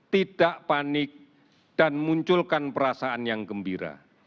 tidak panik dan munculkan perasaan yang gembira